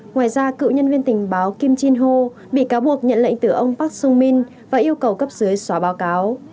ngoài ra cựu nhân viên tình báo kim jin ho bị cáo buộc nhận lệnh từ ông park sung min và yêu cầu cấp dưới xóa báo cáo